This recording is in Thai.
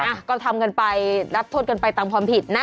อ่ะก็ทำกันไปรับโทษกันไปตามความผิดนะ